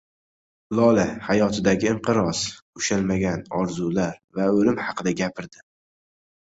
Lola hayotidagi inqiroz, ushalmagan orzular va o‘lim haqida gapirdi